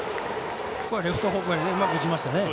レフト方向にうまく打ちましたね。